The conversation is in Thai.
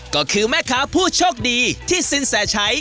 ก็คือแม่ค้าผู้โชคดีที่สินแสชัย